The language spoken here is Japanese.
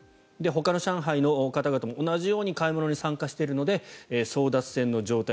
ほかの上海の方々も同じように買い物に参加をしているので争奪戦の状態。